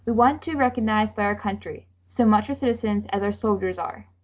We want to be recognized by our country, as much her citizens as our soldiers are."